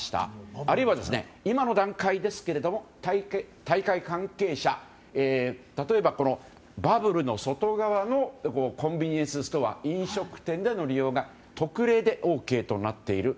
あるいは、今の段階ですが大会関係者、例えばバブルの外側のコンビニエンスストア飲食店での利用が特例でＯＫとなっている。